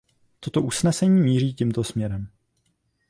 Toto usnesení míří tímto směrem.